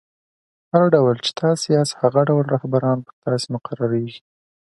هر ډول، چي تاسي یاست؛ هغه ډول رهبران پر تاسي مقررېږي.